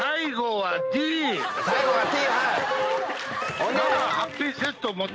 最後はＤ。